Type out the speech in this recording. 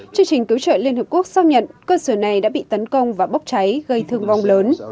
chương trình cứu trợ liên hợp quốc xác nhận cơ sở này đã bị tấn công và bốc cháy gây thương vong lớn